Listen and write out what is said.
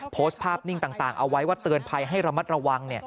โพสต์ภาพนิ่งต่างเอาไว้ว่าเตือนภัยให้ระมัดระวัง